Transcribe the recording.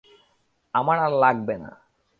আমার আর লাগবে না!